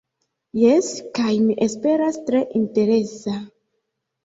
Jes, kaj, mi esperas, tre interesa.